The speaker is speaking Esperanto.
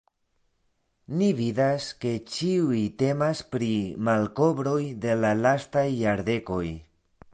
Ni vidas ke ĉiuj temas pri malkovroj de la lastaj jardekoj.